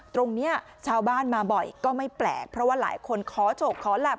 ตรงนี้ชาวบ้านมาบ่อยก็ไม่แปลกเพราะว่าหลายคนขอโฉกขอหลับ